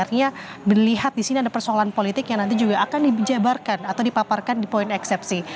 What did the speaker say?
artinya melihat di sini ada persoalan politik yang nanti juga akan dijabarkan atau dipaparkan di poin eksepsi